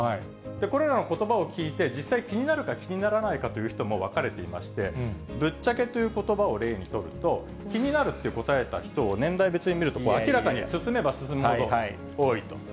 これらのことばを聞いて、実際気になるか、気にならないかという人も分かれていまして、ぶっちゃけということばを例に取ると、気になるって答えた人を年代別に見ると、明らかに進めば進むほど、多いと。